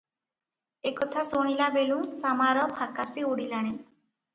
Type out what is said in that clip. ଏ କଥା ଶୁଣିଲାବେଳୁଁ ଶାମାର ଫାକାଶି ଉଡ଼ିଲାଣି ।